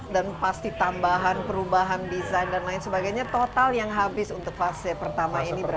dan pasti tambahan perubahan desain dan lain sebagainya total yang habis untuk fase pertama ini berapa